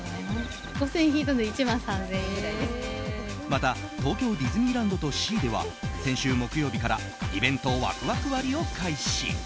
また、東京ディズニーランドとシーでは先週木曜日からイベントワクワク割を開始。